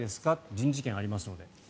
人事権がありますので。